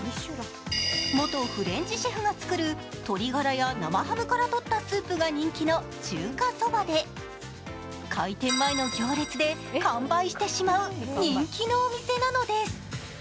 元フレンチシェフの作る、鶏ガラや生ハムからとったスープの中華そばで、開店前の行列で完売してしまう人気のお店なのです。